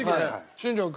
新庄君。